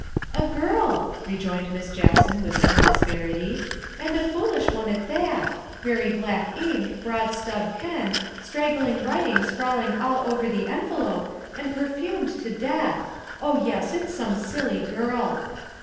"'A girl," rejoined Miss Jackson with some asperity, " and a foolish one at that. Very black ink, broad stub pen, straggling writing sprawling all over the envelope, and perfumed to death. Oh, yes, it 's some silly girl.